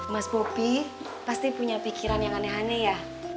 mas bobi pasti punya pikiran yang aneh aneh ya